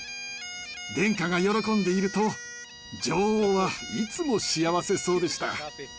殿下が喜んでいると女王はいつも幸せそうでした。